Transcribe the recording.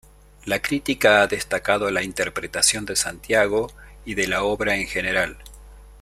La crítica ha destacado la interpretación de Santiago y de la obra en general.